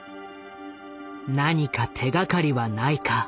何か手がかりはないか。